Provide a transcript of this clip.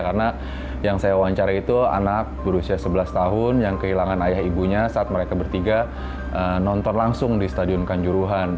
karena yang saya wawancara itu anak berusia sebelas tahun yang kehilangan ayah ibunya saat mereka bertiga nonton langsung di stadion kanjuruhan